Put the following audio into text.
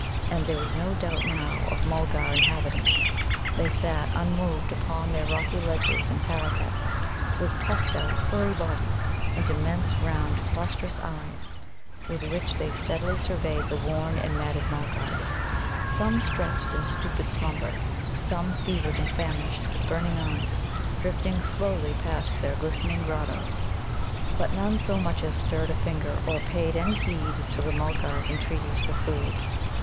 And there was no doubt now of Mulgar inhabitants. They sat unmoved upon their rocky ledges and parapets, with puffed out, furry bodies and immense round, lustrous eyes, with which they steadily surveyed the worn and matted Mulgars, some stretched in stupid slumber, some fevered and famished, with burning eyes, drifting slowly past their glistening grottoes. But none so much as stirred a finger or paid any heed to the Mulgars' entreaties for food.